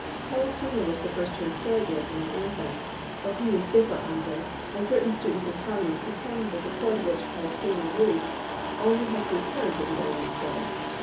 Palestrina was the first to employ it in an anthem. Opinions differ on this, and certain students of harmony pretend that the chord which Palestrina used only has the appearance of the dominant seventh.